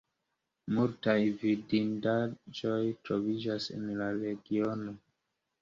Multaj vidindaĵoj troviĝas en la regiono.